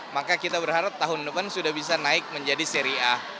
maka kita berharap tahun depan sudah bisa naik menjadi seri a